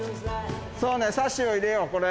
そうね、サッシを入れよう、これ。